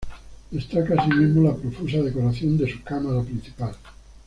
Destaca así mismo la profusa decoración de su cámara principal.